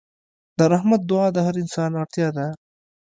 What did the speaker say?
د رحمت دعا د هر انسان اړتیا ده.